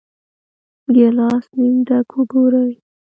ګیلاس نیم ډک وګورئ.